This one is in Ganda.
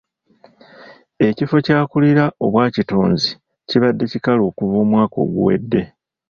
Ekifo ky'akulira obwakitunzi kibadde kikalu okuva omwaka oguwedde.